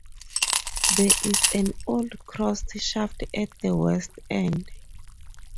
There is an old cross shaft at the west end.